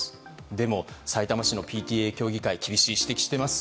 でも、さいたま市のＰＴＡ協議会は厳しい指摘をしています。